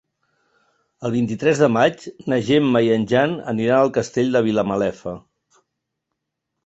El vint-i-tres de maig na Gemma i en Jan aniran al Castell de Vilamalefa.